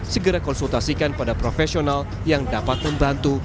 segera konsultasikan pada profesional yang dapat membantu